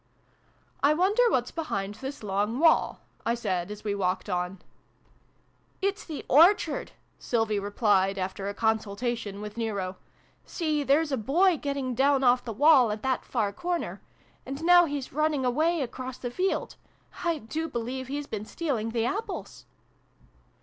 " I wonder what's behind this long wall ?" I said, as we walked on. " It's the Orchard" Sylvie replied, after a consultation with Nero. " See, there's a boy getting down off the wall, at that far corner. And now he's running away across the field. I do believe he's been stealing the apples